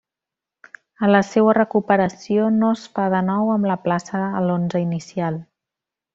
A la seua recuperació, no es fa de nou amb la plaça a l'onze inicial.